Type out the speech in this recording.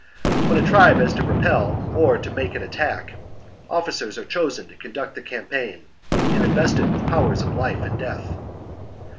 When a tribe has to repel or to make an attack, officers are chosen to con duct the campaign and invested with powers of life and death.